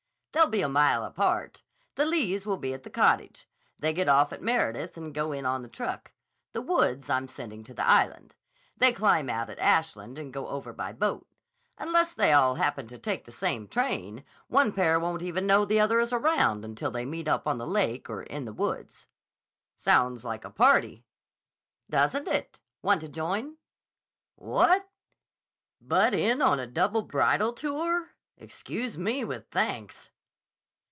They'll be a mile apart. The Lees will be at the cottage. They get off at Meredith and go in on the truck. The Woods I'm sending to the Island. They climb out at Ashland and go over by boat. Unless they all happen to take the same train, one pair won't even know the other is around until they meet up on the lake or in the woods." "Sounds like a party." "Doesn't it? Want to join?" "What? Butt in on a double bridal tour? Excuse me with thanks."